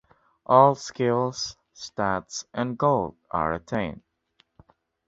All skills, stats, and gold are retained.